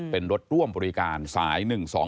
เป็นรถร่วมบริการสาย๑๒